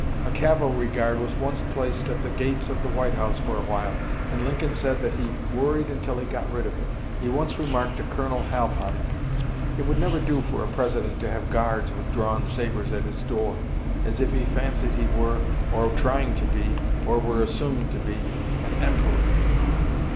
A cavalry guard was once placed at the gates of the White House for a while, and Lincoln said that he "worried until he got rid of it." He once remarked to Colonel Halpine: "It would never do for a President to have guards with drawn sabers at his door, as if he fancied he were, or were trying to be, or were assuming to be, an emperor."